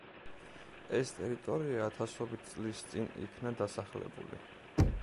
ეს ტერიტორია ათასობით წლის წინ იქნა დასახლებული.